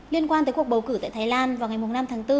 liên quan tới cuộc bầu cử tại thái lan vào ngày năm tháng bốn